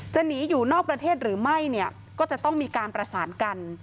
หนีอยู่นอกประเทศหรือไม่เนี่ยก็จะต้องมีการประสานกัน